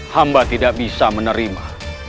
hamba tidak bisa menerima